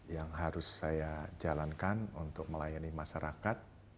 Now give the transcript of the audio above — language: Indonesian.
yang harus saya jalankan untuk melayani masyarakat